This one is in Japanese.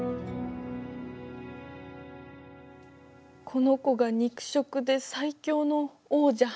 この子が肉食で最強の王者。